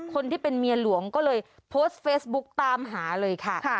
คนที่เป็นเมียหลวงก็เลยโพสต์เฟซบุ๊กตามหาเลยค่ะ